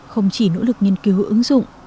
không chỉ nỗ lực nghiên cứu hữu ứng dụng